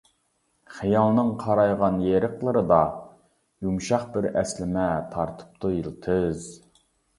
خىيالنىڭ قارايغان يېرىقلىرىدا يۇمشاق بىر ئەسلىمە تارتىپتۇ يىلتىز.